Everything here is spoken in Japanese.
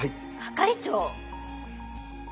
係長！